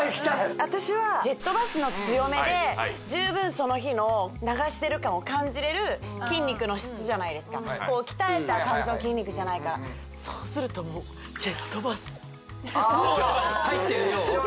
私はジェットバスの強めで十分その日の流してる感を感じれる筋肉の質じゃないですか鍛えた感じの筋肉じゃないからそうするともうジェットバス入ってるよう？